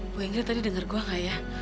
bu ingrid tadi denger gue gak ya